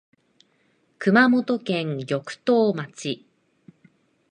熊本県玉東町